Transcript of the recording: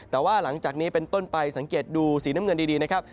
แต่ว่าหลังจากนี้เป็นต้นไปสังเกตดูสีน้ำเงินดีนะครับ